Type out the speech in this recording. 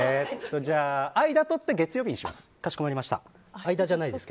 間取って月曜日にします。